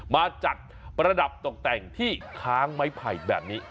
มาจัดประดับตกแต่งที่ค้างไม้ไผ่แบบนี้